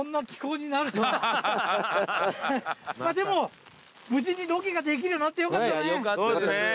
まぁでも無事にロケができるようになってよかったね